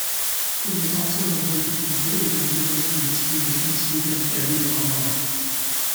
He was also related to the late evangelist and inspirational speaker, Jerry Falwell.